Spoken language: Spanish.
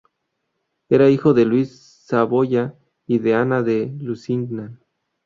Era hijo de Luis de Saboya y de Ana de Lusignan.